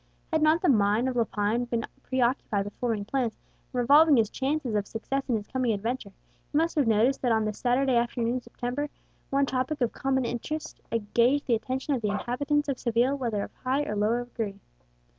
Had not the mind of Lepine been preoccupied with forming plans, and revolving his chances of success in his coming adventure, he must have noticed that on that Saturday afternoon in September one topic of common interest engaged the attention of the inhabitants of Seville, whether of high or low degree.